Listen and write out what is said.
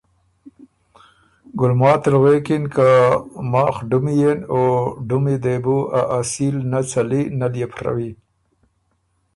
ګلماتی ل غوېکِن که ”ماخ ډُمی يېن او ډُمی دې بُو ا اصیل نۀ څلی نۀ ليې بو ڒوی۔